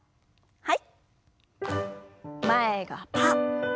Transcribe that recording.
はい。